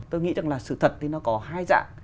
tôi nghĩ rằng là sự thật thì nó có hai dạng